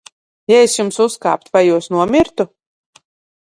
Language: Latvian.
Ja es jums uzkāptu, vai jūs nomirtu?